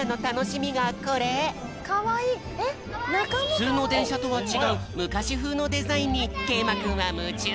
ふつうのでんしゃとはちがうむかしふうのデザインにけいまくんはむちゅう。